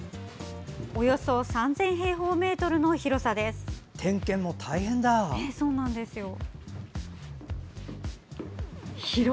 およそ３０００平方メートルの広さです。